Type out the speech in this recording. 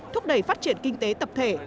thúc đẩy phát triển kinh tế tập thể